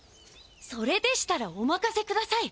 それでしたらおまかせください。